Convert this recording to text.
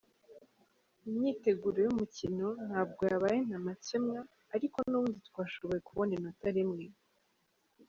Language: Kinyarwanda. Imyiteguro y'umukino ntabwo yabaye ntamacyemwa, ariko nubundi twashoboye kubona inota rimwe".